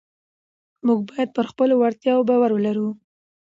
موږ باید پر خپلو وړتیاوو باور ولرو